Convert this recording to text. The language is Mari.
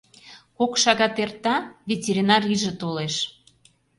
Кок шагат эрта — ветеринар иже толеш.